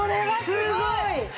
すごい！